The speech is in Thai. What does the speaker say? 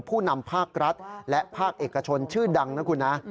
ผู้นำภาครัฐและภาคเอกชนชื่อดังนะคุณนะ